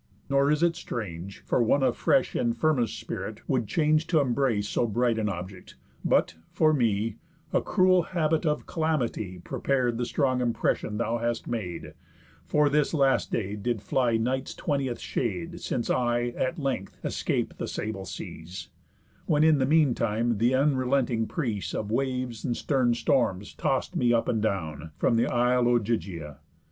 Nor is it strange, For one of fresh and firmest spirit would change T' embrace so bright an object. But, for me, A cruel habit of calamity Prepar'd the strong impression thou hast made; For this last day did fly night's twentieth shade Since I, at length, escap'd the sable seas; When in the mean time th' unrelenting prease Of waves and stern storms toss'd me up and down, From th' isle Ogygia.